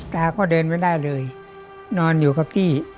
ตาก็เดินไม่ได้เลยนอนอยู่กับพี่